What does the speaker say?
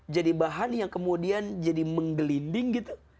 jadi bahan yang kemudian jadi menggelinding gitu